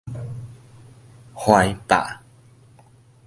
橫霸